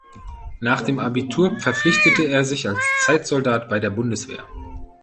Nach dem Abitur verpflichtete er sich als Zeitsoldat bei der Bundeswehr.